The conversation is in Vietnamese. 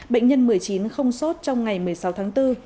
bệnh nhân một mươi chín không sốt trong ngày một mươi sáu tháng bốn